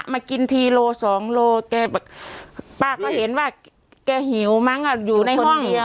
มากินทีโลสองโลแกป้าก็เห็นว่าแกหิวมั้งอ่ะอยู่ในห้องเดียว